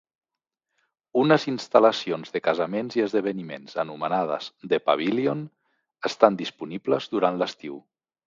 Unes instal·lacions de casaments i esdeveniments anomenades "The Pavillion" estan disponibles durant l'estiu.